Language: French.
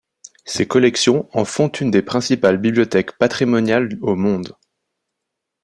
Ses collections en font une des principales bibliothèques patrimoniales au monde.